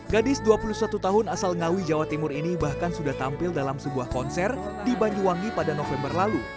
gadis dua puluh satu tahun asal ngawi jawa timur ini bahkan sudah tampil dalam sebuah konser di banyuwangi pada november lalu